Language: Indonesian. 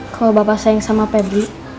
kalau bapak sayang sama pebri